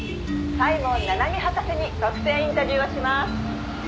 「柴門奈々未博士に独占インタビューをします」